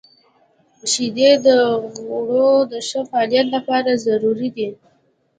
• شیدې د غړو د ښه فعالیت لپاره ضروري دي.